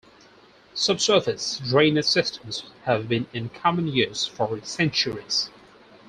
Subsurface drainage systems have been in common use for centuries.